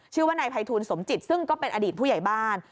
ชื่อว่านายภัยทูลสมจิตซึ่งก็เป็นอดีตผู้ใหญ่บ้าน